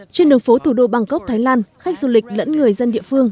trên đường phố thủ đô bangkok thái lan khách du lịch lẫn người dân địa phương